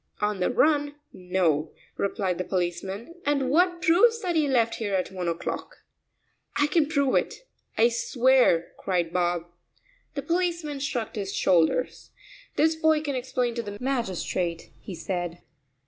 "On the run, no," replied the policeman, "and what proves that he left here at one o'clock?" "I can prove it; I swear it," cried Bob. The policeman shrugged his shoulders. "This boy can explain to the magistrate," he said.